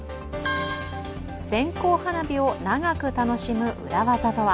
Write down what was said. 線香花火を長く楽しむ裏技とは。